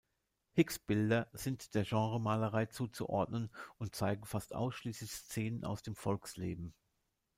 Hicks Bilder sind der Genremalerei zuzuordnen und zeigen fast ausschließlich Szenen aus dem Volksleben.